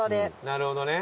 なるほどね。